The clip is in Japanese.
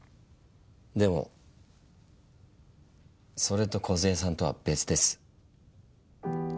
でもそれと梢さんとは別です。